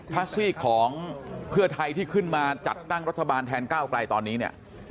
ถ้าซีกของเพื่อไทยที่ขึ้นมาจัดตั้งรัฐบาลแทนก้าวไกลตอนนี้เนี่ย